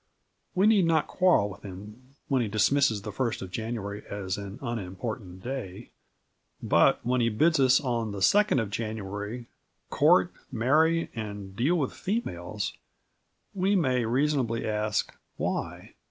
We need not quarrel with him when he dismisses the 1st of January as "an unimportant day," but when he bids us on the 2nd of January "court, marry, and deal with females," we may reasonably ask: "Why?"